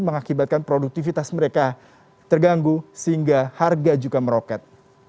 mengakibatkan produktivitas mereka terganggu sehingga harga juga meroket